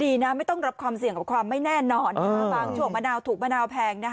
ดีนะไม่ต้องรับความเสี่ยงกับความไม่แน่นอนบางช่วงมะนาวถูกมะนาวแพงนะคะ